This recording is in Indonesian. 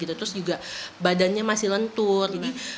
terus juga badannya masih lentur